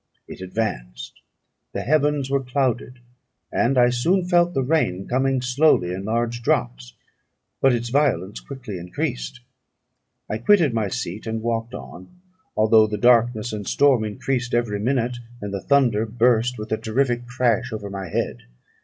It advanced; the heavens were clouded, and I soon felt the rain coming slowly in large drops, but its violence quickly increased. I quitted my seat, and walked on, although the darkness and storm increased every minute, and the thunder burst with a terrific crash over my head.